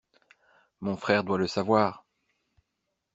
Mon frère doit le savoir.